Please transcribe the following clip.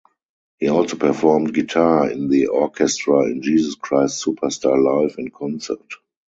He also performed guitar in the orchestra in "Jesus Christ Superstar Live in Concert".